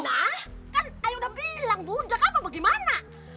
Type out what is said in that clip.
nah kan ai udah bilang budak apa gimana